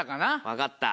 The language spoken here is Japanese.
分かった。